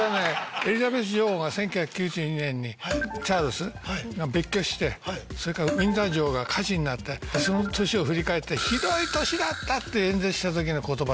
エリザベス女王が１９９２年にチャールズが別居してそれからウィンザー城が火事になってその年を振り返って「ひどい年だった」って演説したときの言葉。